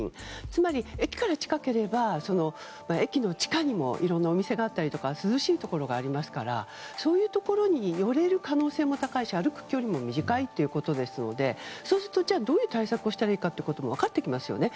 つまり駅から近ければ駅の地下にもいろんなお店があったり涼しいところがありますからそういうところに寄れる可能性も高いし歩く距離も短いということですのでそうするとどういう対策をすればいいかも分かってきますよね。